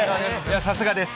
さすがです。